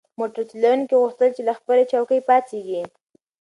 موټر چلونکي غوښتل چې له خپلې چوکۍ پاڅیږي.